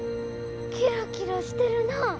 キラキラしてるな。